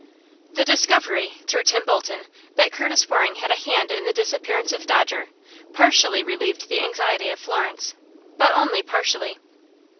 The discovery, through Tim Bolton, that Curtis Waring had a hand in the disappearance of Dodger, partially relieved the anxiety of Florence but only partially.